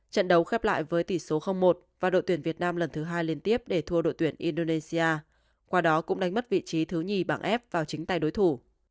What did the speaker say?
trận đấu khép lại với tỷ số một và đội tuyển việt nam lần thứ hai liên tiếp để thua đội tuyển indonesia qua đó cũng đánh mất vị trí thứ nhì bảng f vào chính tay đối thủ